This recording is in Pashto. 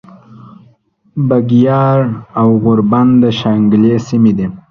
بګیاړ او غوربند د شانګلې سیمې دي